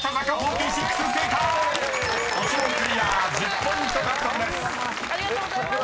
［１０ポイント獲得です］